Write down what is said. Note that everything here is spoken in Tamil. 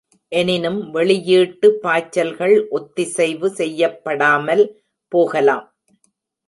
எனினும் வெளியீட்டு பாய்ச்சல்கள் ஒத்திசைவு செய்யப்படாமல் போகலாம்.